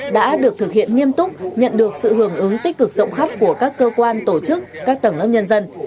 đã được thực hiện nghiêm túc nhận được sự hưởng ứng tích cực rộng khắp của các cơ quan tổ chức các tầng lớp nhân dân